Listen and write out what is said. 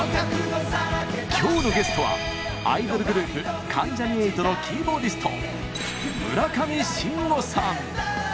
今日のゲストはアイドルグループ関ジャニ∞のキーボーディスト村上信五さん。